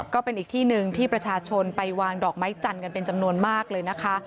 ก็เป็นอีกที่หนึ่งที่ประชาชนไปวางดอกไม้จันทร์กันเป็นจำนวนมากเลยนะคะ